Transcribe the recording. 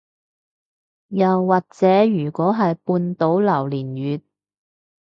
又或者如果係半島榴槤月